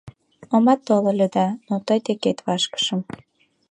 Омат тол ыле да, но тый декет вашкышым.